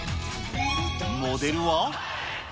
モデルは。